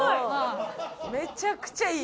めちゃくちゃいい。